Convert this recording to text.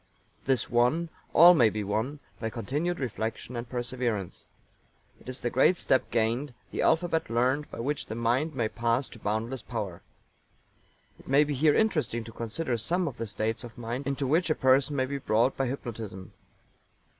This won, all may be won, by continued reflection and perseverance. It is the great step gained, the alphabet learned, by which the mind may pass to boundless power. It may be here interesting to consider some of the states of mind into which a person may be brought by hypnotism.